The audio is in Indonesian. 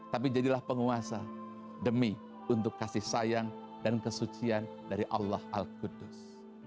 tapi jadilah penguasa demi untuk kasih sayang dan kesucian dari allah al kudus